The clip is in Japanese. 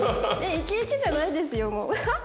イケイケじゃないですよもう。アハッ！